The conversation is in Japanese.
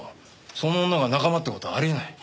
その女が仲間って事はあり得ない。